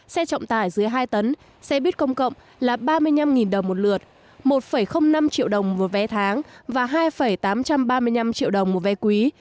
xe trọng tải dưới hai tấn xe buýt công cộng là ba mươi năm đồng một lượt một năm triệu đồng một vé tháng và hai tám trăm ba mươi năm triệu đồng một vé quý